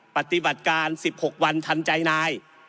ปฏิบัติการ๑๖วันทันใจนาย